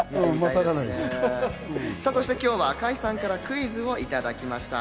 そして今日は赤井さんからクイズをいただきました。